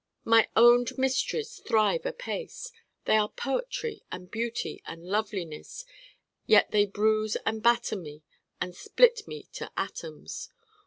My owned mysteries thrive apace. They are poetry and beauty and loveliness yet they bruise and batter me and split me to atoms.